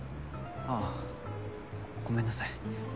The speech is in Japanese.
ああごめんなさい。